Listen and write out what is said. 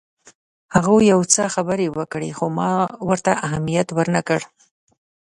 هغوی یو څه خبرې وکړې خو ما ورته اهمیت ورنه کړ.